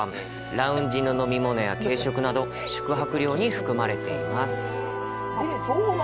ラウンジの飲み物や軽食など宿泊料に含まれています。